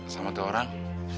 sama dua orang